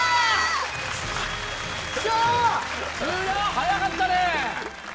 速かったね。